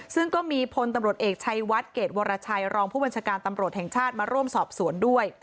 ซึ่งก็มีพลตำรวจเอกชัยวัดเกรดวรชัยรองผู้บัญชาการตำรวจแห่งชาติมาร่วมสอบสวนด้วย